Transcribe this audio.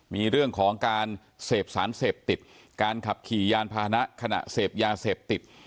มีเรื่องของการเสพสารเสพติดการขับขี่ยานพาหนะขณะเสพยาเสพติด